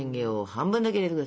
半分だけ。